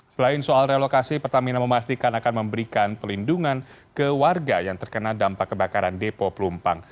selain soal relokasi pertamina memastikan akan memberikan pelindungan ke warga yang terkena dampak kebakaran depo pelumpang